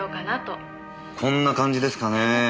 こんな感じですかね。